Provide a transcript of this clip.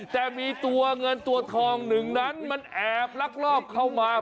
แต่มีตัวเงินตัวทองหนึ่งนั้นมันแอบลักลอบเข้ามา